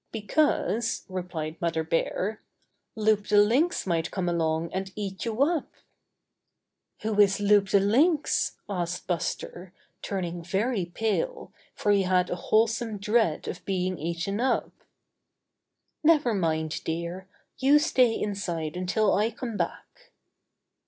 ^'Because," replied Mother Bear, "Loup the Lynx might come along and eat you up." "Who is Loup the Lynx?" asked Buster, turning very pale, for he had a wholesome dread of being eaten up. "Never mind, dear. You stay inside until I come back."